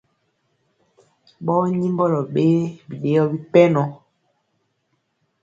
Ɓɔɔ nyimbɔlɔ ɓee biɗeyɔ bipɛnɔ.